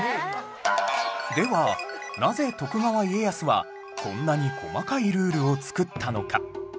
ではなぜ徳川家康はこんなに細かいルールを作ったのか？